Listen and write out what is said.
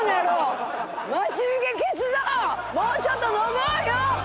もうちょっと飲もうよ！